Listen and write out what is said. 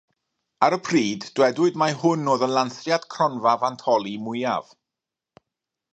Ar y pryd, dywedwyd mai hwn oedd y lansiad cronfa fantoli mwyaf.